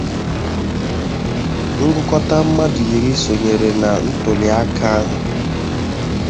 Ngụkọta mmadụ iri sonyere na ntuliaka ahụ.